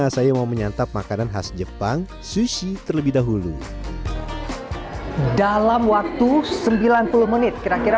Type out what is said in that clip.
saya mau menyantap makanan khas jepang sushi terlebih dahulu dalam waktu sembilan puluh menit kira kira